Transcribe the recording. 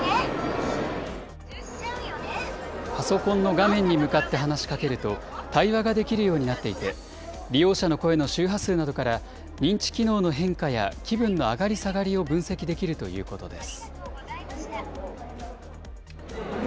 パソコンの画面に向かって話しかけると、対話ができるようになっていて、利用者の声の周波数などから認知機能の変化や、気分の上がり下がりを分析できるということです。